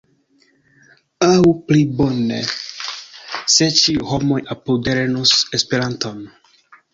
Aŭ pli bone: se ĉiuj homoj apude lernus Esperanton!